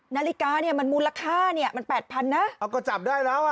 นาฬิกาเนี่ยมันมูลค่าเนี้ยมันแปดพันนะเอาก็จับได้แล้วอ่ะ